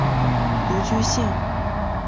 独居性。